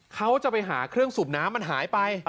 เขาจะไปหาเครื่องสูบน้ำมันหายไป